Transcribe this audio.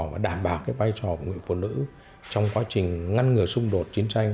và đảm bảo cái vai trò của người phụ nữ trong quá trình ngăn ngừa xung đột chiến tranh